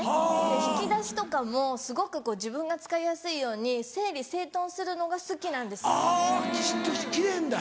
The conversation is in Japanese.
引き出しとかもすごく自分が使いやすいように整理整頓するのが好きなんですよ。